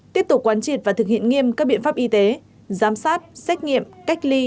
tiếp tục quán triệt và thực hiện nghiêm các biện pháp y tế giám sát xét nghiệm cách ly